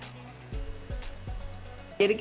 jadi kita mesti tahu benar benar itu madunya dari mana